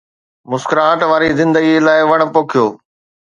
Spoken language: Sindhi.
مسڪراهٽ واري زندگي لاءِ وڻ پوکيو.